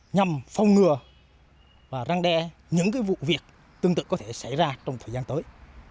nhằm phong ngừa và răng đe những vụ việc tương tự có thể xảy ra trong thời gian tới